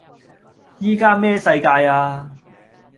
依家咩世界呀?